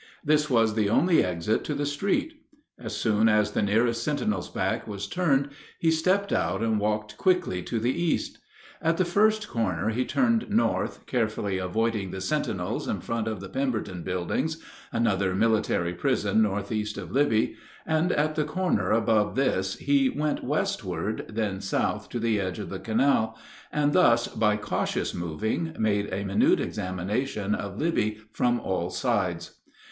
This was the only exit to the street. As soon as the nearest sentinel's back was turned he stepped out and walked quickly to the east. At the first corner he turned north, carefully avoiding the sentinels in front of the "Pemberton Buildings" (another military prison northeast of Libby), and at the corner above this he went westward, then south to the edge of the canal, and thus, by cautious moving, made a minute examination, of Libby from all sides.